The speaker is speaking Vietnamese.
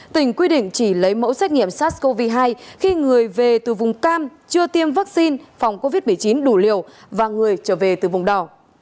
tỉnh quy định chỉ lấy mẫu xét nghiệm sars cov hai khi người về từ vùng cam chưa tiêm vaccine phòng covid một mươi chín đủ liều và người trở về từ vùng đỏ